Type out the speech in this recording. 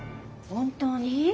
本当に？